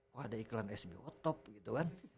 kok ada iklan sbo top gitu kan